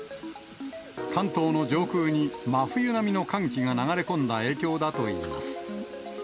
関東の上空に真冬並みの寒気が流れ込んだ影響だといいます。